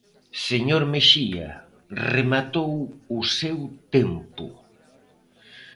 Señor Mexía, rematou o seu tempo.